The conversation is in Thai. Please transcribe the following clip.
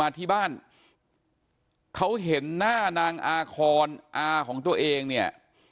ค่ะ๒๒ธันวาคม๒๒ธันวาคมใช่